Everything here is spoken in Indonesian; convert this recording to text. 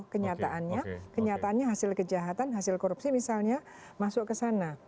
kenyataannya kenyataannya hasil kejahatan hasil korupsi misalnya masuk ke sana